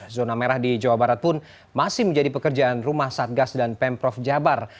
zona merah di jawa barat pun masih menjadi pekerjaan rumah satgas dan pemprov jabar